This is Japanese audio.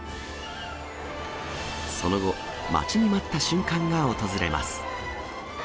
その後、待ちに待った瞬間が訪れます。